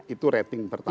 itu rating pertama